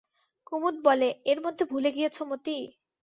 কুমুদ বলে, এর মধ্যে ভুলে গিয়েছ মতি?